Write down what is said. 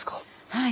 はい。